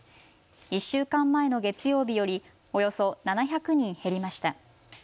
１週間前の月曜日よりおよそ７００人減りました。